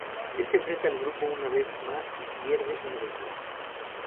Él se enfrenta al grupo una vez más y pierde una vez más.